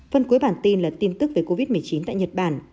phần cuối bản tin là tin tức về covid một mươi chín tại nhật bản